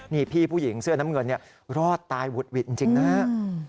นี่พี่ผู้หญิงเสื้อน้ำเงินรอดตายหุดหวิดจริงนะครับ